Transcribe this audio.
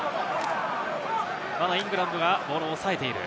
イングランドがボールを抑えている。